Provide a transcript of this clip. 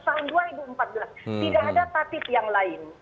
tidak ada taktib yang lain